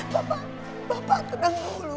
bapak bapak tenang dulu